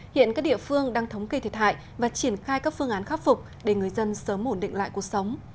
hiện các địa phương đang thống kê thiệt hại và triển khai các phương án khắc phục để người dân sớm ổn định lại cuộc sống